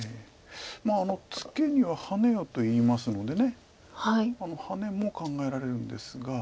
「ツケにはハネよ」といいますのでハネも考えられるんですが。